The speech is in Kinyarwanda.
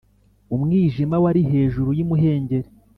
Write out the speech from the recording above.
umwijima wari hejuru y’imuhengeri